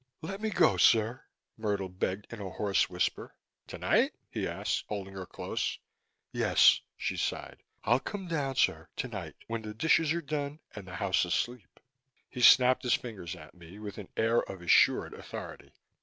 "Let me go, sir," Myrtle begged in a hoarse whisper. "Tonight?" he asked, holding her close. "Yes," she sighed. "I'll come down, sir. Tonight, when the dishes are done and the house asleep." He snapped his fingers at me, with an air of assured authority.